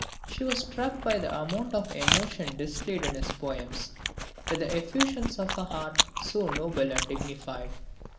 She was struck by the amount of emotion displayed in his poems, with the effusions of a heart so noble and dignified.